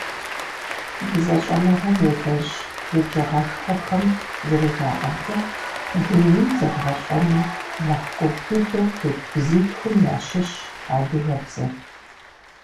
БзэщӀэныгъэм елэжь еджагъэшхуэхэм зэрыжаӀэмкӀэ, дунейм зэбгъэщӀэну нэхъ гугъу дыдэу тет бзитхум ящыщщ адыгэбзэр.